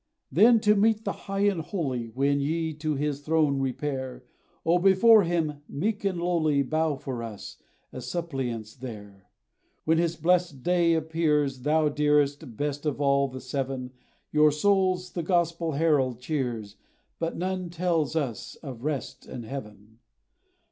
Then, to meet the High and Holy, When ye to his throne repair, O before him, meek and lowly, Bow for us, as suppliants there! When his blessed day appears, The dearest, best of all the seven, Your souls the gospel herald cheers; But none tells us of rest and heaven.